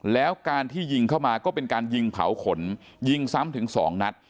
แล้วการที่ยิงเข้ามาก็เป็นการยิงเผาขนยิงซ้ำถึงสองนัด